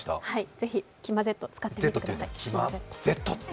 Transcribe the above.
ぜひ、きまＺ使ってください。